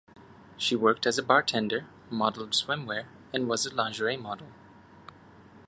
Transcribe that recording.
She worked as a bartender, modeled swimwear and was a lingerie model.